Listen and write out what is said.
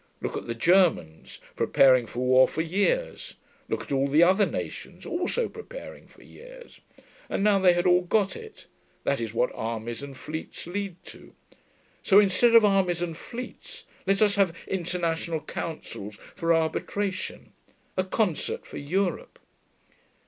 Look at the Germans, preparing for war for years; look at all the other nations, also preparing for years. And now they had all got it. That is what armies and fleets lead to. So, instead of armies and fleets, let us have International Councils for Arbitration. A Concert of Europe.